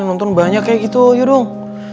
nonton banyak kayak gitu yudung